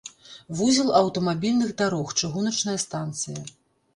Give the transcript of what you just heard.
Вузел аўтамабільных дарог, чыгуначная станцыя.